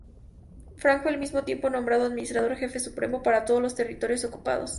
Frank fue al mismo tiempo nombrado "administrador jefe supremo" para todos los territorios ocupados.